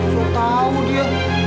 gue tau dia